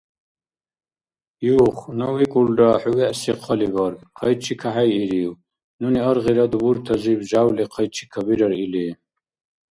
Юх, ну викӀулра хӀу-вегӀси хъалибарг? ХъайчикахӀейирив? Нуни аргъира, дубуртазиб жявли хъайчикабирар или.